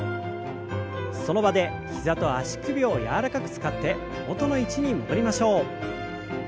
その場で膝と足首を柔らかく使って元の位置に戻りましょう。